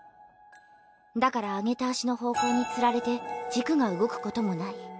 だから上げた脚の方向に釣られて軸が動くこともない。